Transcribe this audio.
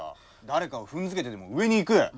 誰かを踏んづけてでも上に行く。